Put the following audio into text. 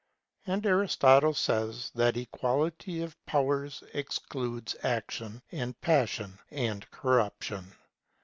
And Aristotle says that equality of powers excludes action, and passion, and corruption.